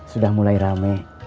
sudah mulai rame